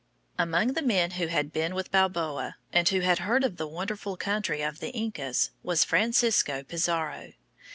Among the men who had been with Balboa, and who had heard of the wonderful country of the Incas, was Francisco Pizarro.